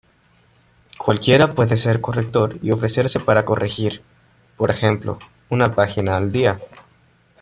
Cualquiera puede ser corrector y ofrecerse para corregir, por ejemplo, una página al día.